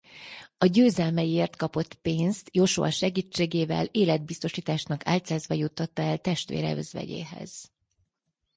A győzelmeiért kapott pénzt Joshua segítségével életbiztosításnak álcázva juttatja el testvére özvegyéhez.